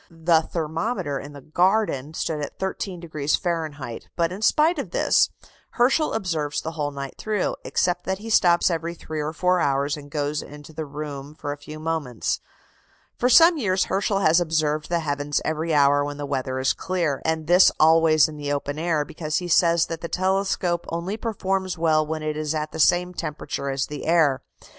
The thermometer in the garden stood at 13° Fahrenheit; but, in spite of this, Herschel observes the whole night through, except that he stops every three or four hours and goes into the room for a few moments. For some years Herschel has observed the heavens every hour when the weather is clear, and this always in the open air, because he says that the telescope only performs well when it is at the same temperature as the air.